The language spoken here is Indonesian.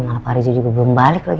malah pak rizik juga belum balik lagi